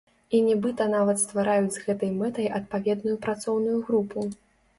І нібыта нават ствараюць з гэтай мэтай адпаведную працоўную групу.